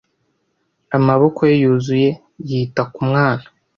Amaboko ye yuzuye yita ku mwana.